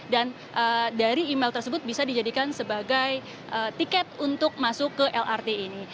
dan dari email tersebut bisa dijadikan sebagai tiket untuk masuk ke lrt ini